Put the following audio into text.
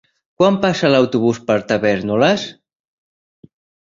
Quan passa l'autobús per Tavèrnoles?